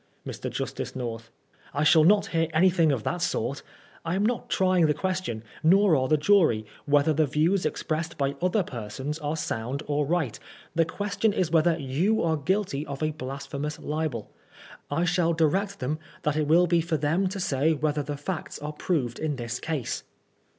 Mr. Justice North : I shall not hear anything of that sort I am not trying the question, nor are the jmy, whether the views expressed by other persons are sound or right. The question is whether you are gmlty of a blasphemous libeL I shall direct them that it will be for them to say whether the facts are proved in this case.